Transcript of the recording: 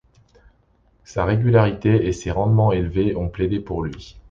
Sa régularité et ses rendements élevés ont plaidé pour lui.